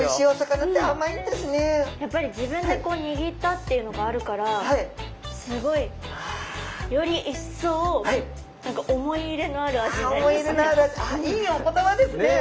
やっぱり自分でこう握ったっていうのがあるからすごいより一層何か「思い入れのある味」ああいいお言葉ですね。